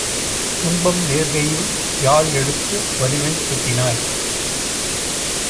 துன்பம் நேர்கையில் யாழ் எடுத்து வலிமை கூட்டினாய்.